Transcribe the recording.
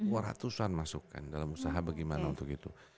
dua ratusan masuk kan dalam usaha bagaimana untuk itu